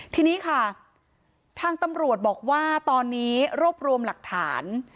ทีนี้ค่ะทางตำรวจบอกว่าตอนนี้รวบรวมหลักฐาน